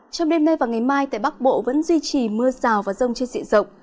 trong đêm nay và ngày mai tại bắc bộ vẫn duy trì mưa rào và rông trên dịa rộng